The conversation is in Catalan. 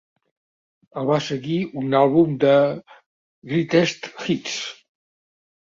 El va seguir un àlbum de "Greatest Hits".